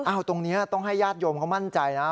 ตรงนี้ต้องให้ญาติโยมเขามั่นใจนะ